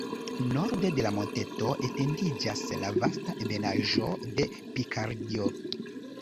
Norde de la monteto etendiĝas la vasta ebenaĵo de Pikardio.